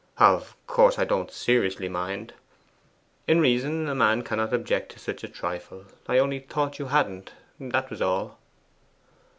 'Of course, I don't seriously mind. In reason, a man cannot object to such a trifle. I only thought you hadn't that was all.